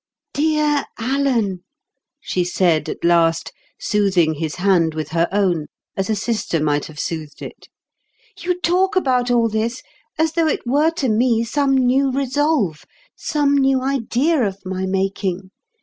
"Dear Alan," she said at last, soothing his hand with her own, as a sister might have soothed it, "you talk about all this as though it were to me some new resolve, some new idea of my making.